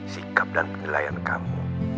sikap dan pengelayan kamu